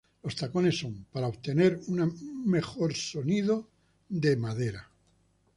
Los tacones son, para obtener un mejor sonido, de madera.